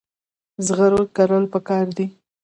زغر کرل پکار دي.